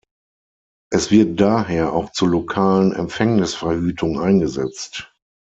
Es wird daher auch zur lokalen Empfängnisverhütung eingesetzt.